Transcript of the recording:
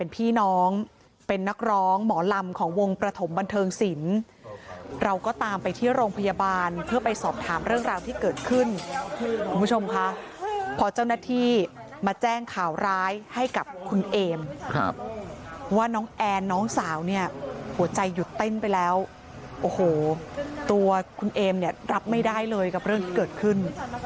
ที่โรงพยาบาลเพื่อไปสอบถามเรื่องราวที่เกิดขึ้นคุณผู้ชมคะพอเจ้าหน้าที่มาแจ้งข่าวร้ายให้กับคุณเอมว่าน้องแอนน้องสาวเนี่ยหัวใจหยุดเต้นไปแล้วโอ้โหตัวคุณเอมเนี่ยรับไม่ได้เลยกับเรื่องที่เกิดขึ้น